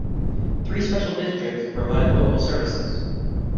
Three special districts provide local services.